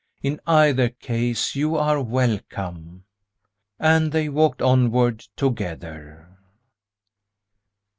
In either case you are welcome." And they walked onward together.